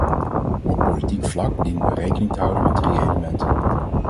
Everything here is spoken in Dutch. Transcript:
Op politiek vlak dienen we rekening te houden met drie elementen.